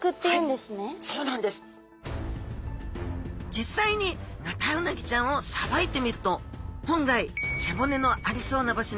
実際にヌタウナギちゃんをさばいてみると本来背骨のありそうな場所に白く細長いものがあります